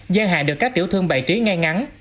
giai hại được các tiểu thương bày trí ngay ngắn